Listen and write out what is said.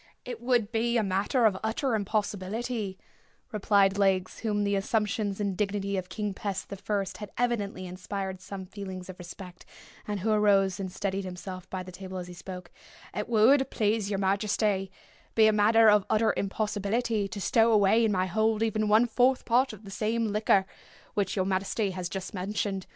"It would be a matter of utter impossibility," replied Legs, whom the assumptions and dignity of King Pest the First had evidently inspired some feelings of respect, and who arose and steadied himself by the table as he spoke—"it would, please your majesty, be a matter of utter impossibility to stow away in my hold even one fourth part of the same liquor which your majesty has just mentioned.